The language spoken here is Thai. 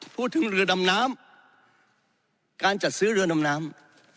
พูดถึงเรือดำน้ำการจัดซื้อเรือดำน้ำ